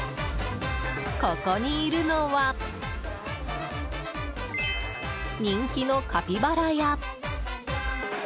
ここにいるのは人気のカピバラや。